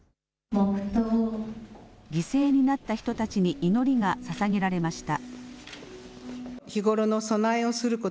犠牲になった人たちに祈りがささげられました。